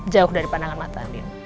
jauh dari pandangan mata andil